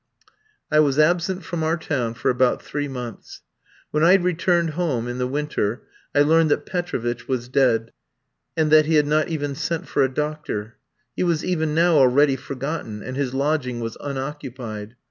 I was absent from our town for about three months. When I returned home in the winter, I learned that Petrovitch was dead, and that he had not even sent for a doctor. He was even now already forgotten, and his lodging was unoccupied.